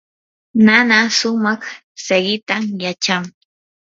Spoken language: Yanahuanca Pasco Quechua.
nana shumaq siqitam yachan.